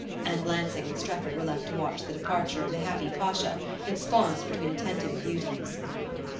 And Lansing and Strefford were left to watch the departure of the happy Pasha ensconced between attentive beauties.